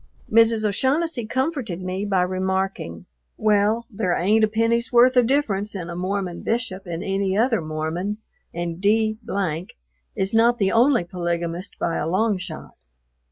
Mrs. O'Shaughnessy comforted me by remarking, "Well, there ain't a penny's worth of difference in a Mormon bishop and any other Mormon, and D is not the only polygamist by a long shot."